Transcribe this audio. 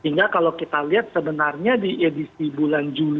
sehingga kalau kita lihat sebenarnya di edisi bulan juli